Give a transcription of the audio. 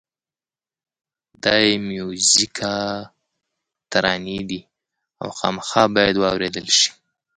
دا بې میوزیکه ترانې دي او خامخا باید واورېدل شي.